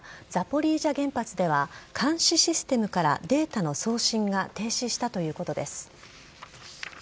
ザポリージャ原発では監視システムからデータの送信が停止したということです。